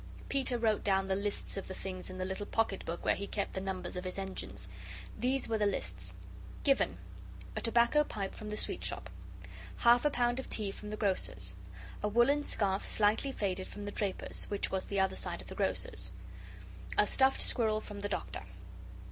Peter wrote down the lists of the things in the little pocket book where he kept the numbers of his engines. These were the lists: GIVEN. A tobacco pipe from the sweet shop. Half a pound of tea from the grocer's. A woollen scarf slightly faded from the draper's, which was the other side of the grocer's. A stuffed squirrel from the Doctor.